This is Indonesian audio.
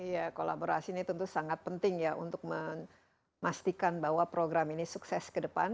iya kolaborasi ini tentu sangat penting ya untuk memastikan bahwa program ini sukses ke depan